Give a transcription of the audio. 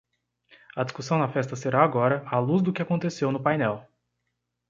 A discussão na festa será agora à luz do que aconteceu no painel.